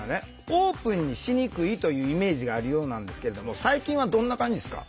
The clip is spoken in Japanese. オープンにしにくいというイメージがあるようなんですけれども最近はどんな感じですか？